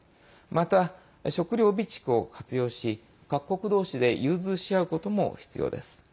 また、食糧備蓄を活用し各国どうしで融通し合うことも必要です。